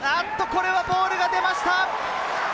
これはボールが出ました！